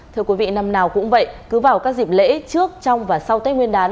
thưa quý vị năm nào cũng vậy cứ vào các dịp lễ trước trong và sau tết nguyên đán